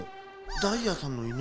ダイヤさんのイヌ？